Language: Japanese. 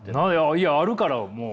いやあるからもう！